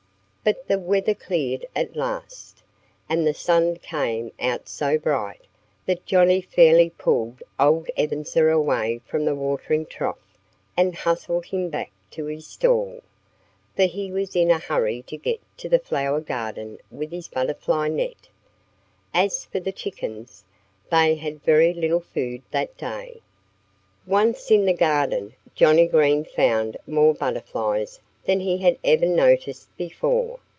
But the weather cleared at last. And the sun came out so bright that Johnnie fairly pulled old Ebenezer away from the watering trough and hustled him back to his stall; for he was in a hurry to get to the flower garden with his butterfly net. As for the chickens, they had very little food that day. Once in the garden, Johnnie Green found more butterflies than he had ever noticed before.